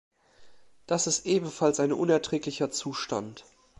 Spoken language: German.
Das ist ebenfalls ein unerträglicher Zustand!